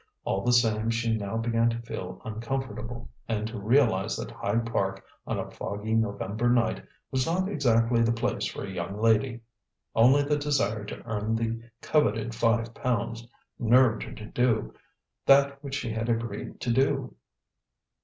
All the same she now began to feel uncomfortable, and to realize that Hyde Park on a foggy November night was not exactly the place for a young lady. Only the desire to earn the coveted five pounds nerved her to do that which she had agreed to do.